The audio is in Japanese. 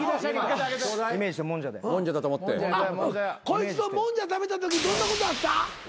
こいつともんじゃ食べたときどんなことあった？